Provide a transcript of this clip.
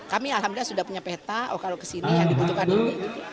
kami alhamdulillah sudah punya peta oh kalau kesini yang dibutuhkan ini